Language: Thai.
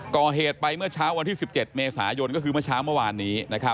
ก่อเหตุไปเมื่อเช้าวันที่๑๗เมษายนก็คือเมื่อเช้าเมื่อวานนี้